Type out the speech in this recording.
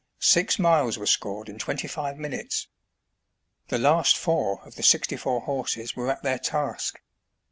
Six miles were scored in twenty five minutes. The last four of the sixty four horses were at their task.